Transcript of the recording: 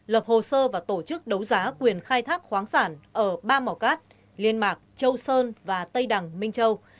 lập hồ sơ và tổ chức đấu giá quyền khai thác khoáng sản ở ba mò cát liên mạc châu sơn và tây đằng minh châu